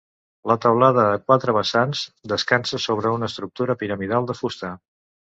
La teulada a quatre vessants descansa sobre una estructura piramidal de fusta.